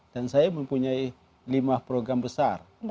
dan saya mempunyai lima program besar